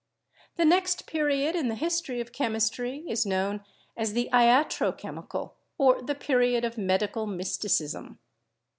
The next period in the history of chemistry is known as the Iatro Chemical, or the period of medical mysticism.